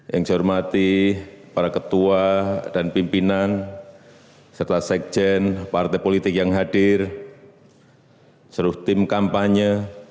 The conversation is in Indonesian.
yang saya hormati para ketua dan pimpinan serta sekjen partai politik yang hadir seluruh tim kampanye